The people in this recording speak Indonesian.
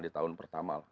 di tahun pertama